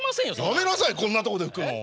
やめなさいこんなとこで拭くの。